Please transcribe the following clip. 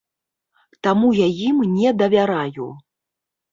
Таму я ім не давяраю.